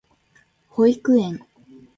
保育園